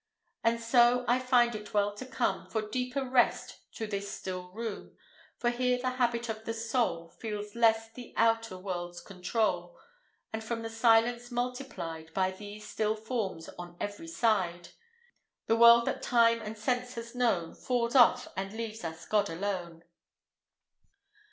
And so I find it well to come For deeper rest to this still room; For here the habit of the soul Feels less the outer world's control, And from the silence multiplied By these still forms on every side, The world that time and sense has known Falls off and leaves us God alone.